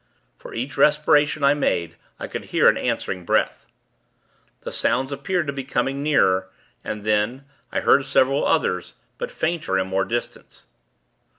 For each respiration I made, I could hear an answering breath. The sounds appeared to be coming nearer; and then, I heard several others; but fainter and more distant.